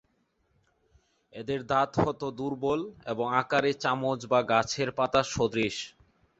এদের দাঁত হত দুর্বল, এবং আকারে চামচ বা গাছের পাতা সদৃশ।